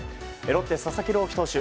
ロッテ佐々木朗希投手